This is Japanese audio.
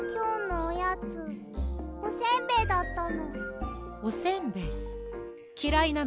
おやつおせんべいだったの。